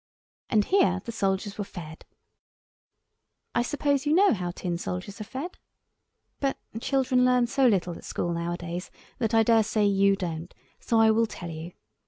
And here the soldiers were fed. I suppose you know how tin soldiers are fed? But children learn so little at school nowadays that I daresay you don't, so I will tell you.